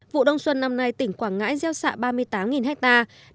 vụ đông xuân năm nay tỉnh quảng ngãi gieo xạ ba mươi tám hectare